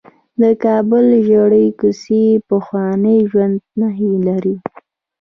د کابل زړې کوڅې د پخواني ژوند نښې لري.